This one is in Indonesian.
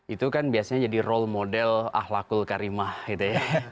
itu kan biasanya jadi role model ahlakul karimah gitu ya